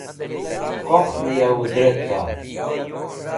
Qokhnẽ ya wũdrẽtka?